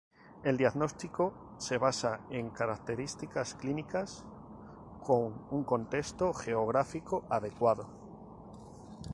El diagnóstico se basa en las características clínicas, con un contexto geográfico adecuado.